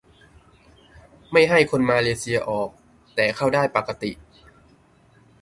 - ไม่ให้คนมาเลเซียออก แต่เข้าได้ปกติ